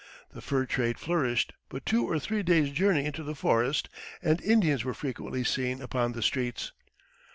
The fur trade flourished but two or three days' journey into the forest, and Indians were frequently seen upon the streets.